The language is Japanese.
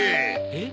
えっ？